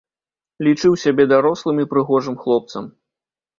Лічыў сябе дарослым і прыгожым хлопцам.